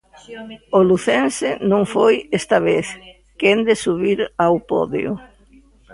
O lucense non foi esta vez quen de subir ao podio.